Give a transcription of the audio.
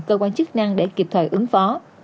cơ quan chức năng để kịp thời ứng phó